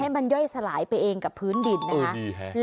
ให้มันย่อยสลายไปเองกับพื้นดินนะฮะเออดีฮะ